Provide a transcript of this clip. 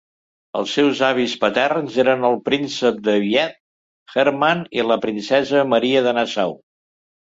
Es seus avis paterns eren el príncep de Wied, Hermann, i la princesa Maria de Nassau.